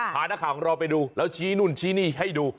พานักข่าวของเราไปดูแล้วชี้นู่นชี้นี่ให้ดู